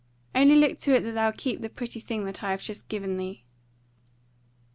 Only look to it that thou keep the pretty thing that I have just given thee."